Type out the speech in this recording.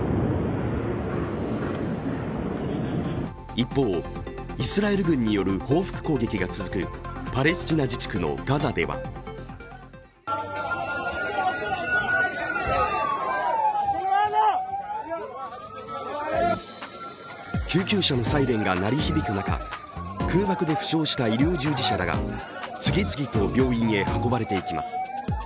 一方、イスラエル軍による報復攻撃が続くパレスチナ自治区のガザでは救急車のサイレンが鳴り響く中、空爆で負傷した医療従事者らが次々と病院へ運ばれていきます。